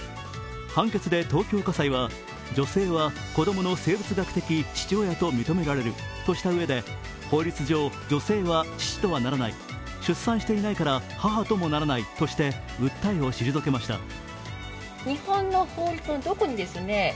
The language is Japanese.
判決で東京家裁は、女性は子供の生物学的父親と認めるとしたうえで法律上、女性は父とはならない、出産していないから母ともならないとして訴えを退けました。